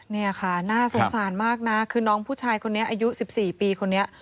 นี่ค่ะน่าสงสารมากนะคือน้องผู้ชายคนนี้อายุ๑๔ปีคนนี้